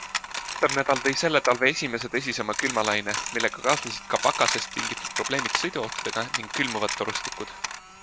Lõppev nädal tõi selle talve esimese tõsisema külmalaine, millega kaasnesid ka pakasest tingitud probleemid sõiduautodega ning külmuvad torustikud.